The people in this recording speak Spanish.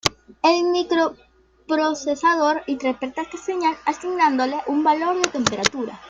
El microprocesador interpreta esta señal asignándole un valor de temperatura.